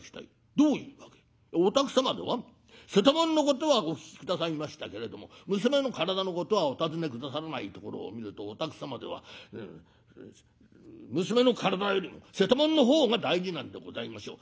『どういうわけ』『お宅様では瀬戸物のことはお聞き下さいましたけれども娘の体のことはお尋ね下さらないところを見るとお宅様では娘の体よりも瀬戸物の方が大事なんでございましょう。